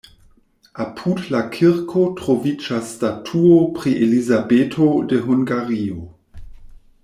Apud la kirko troviĝas statuo pri Elizabeto de Hungario.